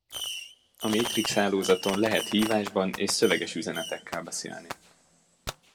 A Matrix hálózaton lehet hívásban, és szöveges üzenetekkel beszélni.